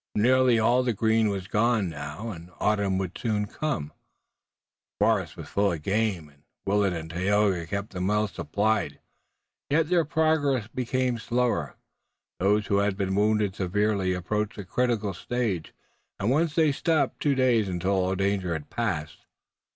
Nearly all the green was gone now, and autumn would soon come. The forest was full of game, and Willet and Tayoga kept them well supplied, yet their progress became slower. Those who had been wounded severely approached the critical stage, and once they stopped two days until all danger had passed.